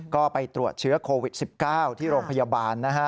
ก็ไปตรวจเชื้อโควิด๑๙ที่โรงพยาบาลนะฮะ